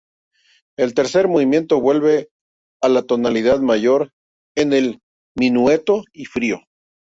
El tercer movimiento vuelve a la tonalidad mayor en el minueto y trío.